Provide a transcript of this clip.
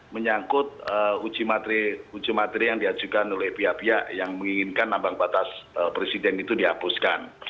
menyangkut uji materi yang diajukan oleh pihak pihak yang menginginkan ambang batas presiden itu dihapuskan